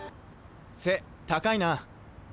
背高いな。